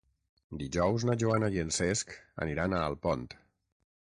Dijous na Joana i en Cesc aniran a Alpont.